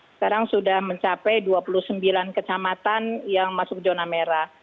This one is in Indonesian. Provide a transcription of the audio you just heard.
sekarang sudah mencapai dua puluh sembilan kecamatan yang masuk zona merah